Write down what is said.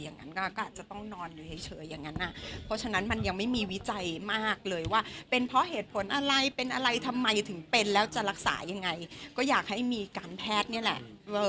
อย่างนั้นก็อาจจะต้องนอนอยู่เฉยอย่างนั้นเพราะฉะนั้นมันยังไม่มีวิจัยมากเลยว่าเป็นเพราะเหตุผลอะไรเป็นอะไรทำไมถึงเป็นแล้วจะรักษายังไงก็อยากให้มีการแพทย์นี่แหละ